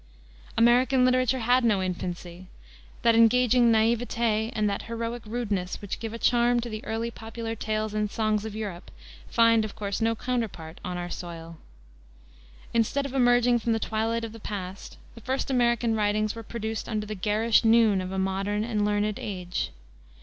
American literature had no infancy. That engaging naïveté and that heroic rudeness which give a charm to the early popular tales and songs of Europe find, of course, no counterpart on our soil. Instead of emerging from the twilight of the past, the first American writings were produced under the garish noon of a modern and learned age.